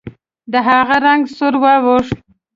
د هغه رنګ سور واوښت.